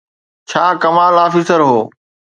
ڇا ڪمال آفيسر هو؟